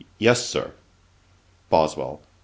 'Yes, Sir.' BOSWELL.